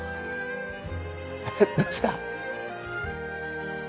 どうした？